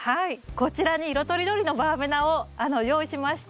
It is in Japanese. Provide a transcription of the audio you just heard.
こちらに色とりどりのバーベナを用意しました。